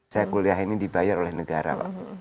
saya kuliah ini dibayar oleh negara pak